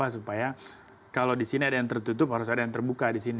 supaya kalau disini ada yang tertutup harus ada yang terbuka disini